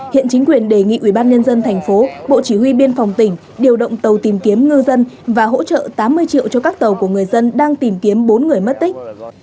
hiện chính quyền đề nghị ủy ban nhân dân thành phố bộ chỉ huy biên phòng tỉnh điều động tàu tìm kiếm ngư dân và hỗ trợ tám mươi triệu cho các tàu của người dân đang tìm kiếm bốn người mất tích